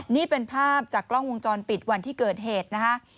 นี่เป็นภาพจากกล้องวงจรปิดวันที่เกิดเหตุนะคะ